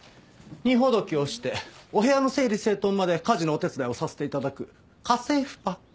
荷ほどきをしてお部屋の整理整頓まで家事のお手伝いをさせて頂く家政婦パック